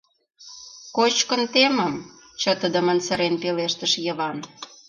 Кочкын темым... — чытыдымын сырен пелештыш Йыван.